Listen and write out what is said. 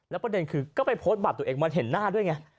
ประเด็นคือก็ไปโพสต์บัตรตัวเองมันเห็นหน้าด้วยไง